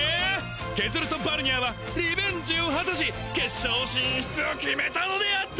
ケズルとバルニャーはリベンジを果たし決勝進出を決めたのであった